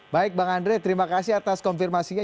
baik bang andre terima kasih atas konfirmasinya